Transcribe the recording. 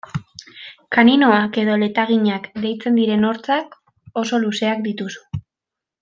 Kaninoak edo letaginak deitzen diren hortzak oso luzeak dituzu.